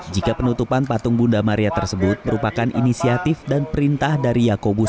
jika penutupan patung bunda maria tersebut merupakan inisiatif dan perintah dari yakobus